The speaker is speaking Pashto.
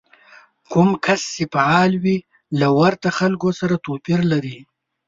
کوم کس چې فعال وي له ورته خلکو سره توپير لري.